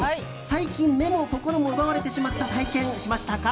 最近、目も心も奪われてしまった体験しましたか？